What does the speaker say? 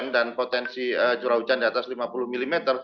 dan potensi curah hujan di atas lima puluh mm